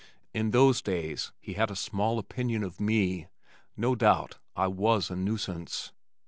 In those days he had a small opinion of me. No doubt I was a nuisance.